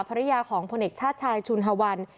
ภรรยาของพลเอกชาติชายชุนฮวัน